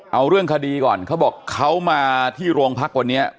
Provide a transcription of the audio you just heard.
เอาเรื่องคดีก่อนเขาบอกเขามาที่โรงพักวันนี้